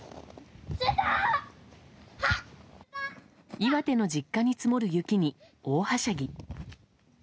岩手の実家に積もる雪に大はしゃぎ。